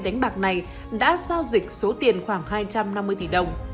đánh bạc này đã giao dịch số tiền khoảng hai trăm năm mươi tỷ đồng